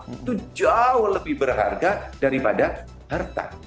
itu jauh lebih berharga daripada harta